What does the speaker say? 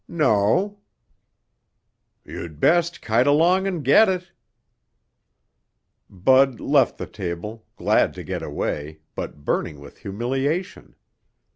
"No." "You'd best kite along and get it." Bud left the table, glad to get away, but burning with humiliation.